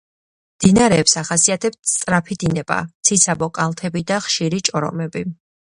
მდინარეებს ახასიათებთ სწრაფი დინება, ციცაბო კალთები და ხშირი ჭორომები.